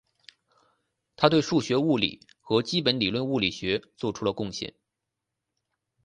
他对数学物理和基本理论物理学做出了贡献。